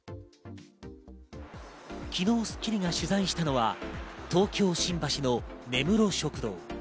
昨日『スッキリ』が取材したのは、東京・新橋の根室食堂。